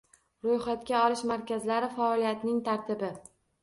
Ro‘yxatga olish markazlari faoliyatining tartibi